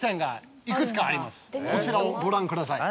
こちらをご覧ください。